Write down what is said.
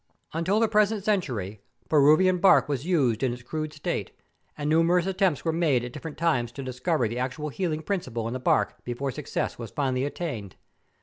Until the present century Peruvian bark was used in its crude state, and numerous attempts were made at different times to discover the actual healing principle in the hark before success was finally attained.